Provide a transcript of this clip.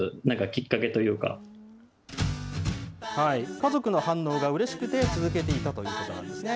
家族の反応がうれしくて、続けていたということなんですね。